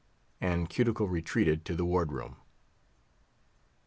And Cuticle retreated to the Ward room.